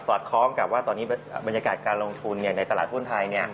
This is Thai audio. อดคล้องกับว่าตอนนี้บรรยากาศการลงทุนในตลาดหุ้นไทย